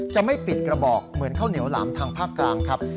จะไม่ปิดกระบอกเหมือนข้าวเหนียวหลามทางภาคกลางครับ